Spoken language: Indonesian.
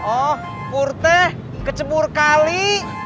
oh pur teh ke cepurkali